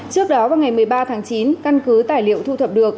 trước đó vào ngày một mươi ba tháng chín căn cứ tài liệu thu thập được